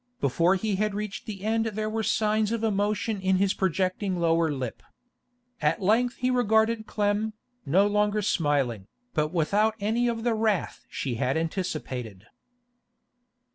Before he had reached the end there were signs of emotion in his projecting lower lip. At length he regarded Clem, no longer smiling, but without any of the wrath she had anticipated.